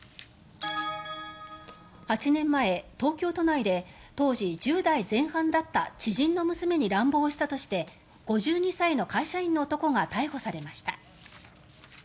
８年前、東京都内で当時１０代前半だった知人の娘に乱暴をしたとして５２歳の会社員の男が逮捕されました。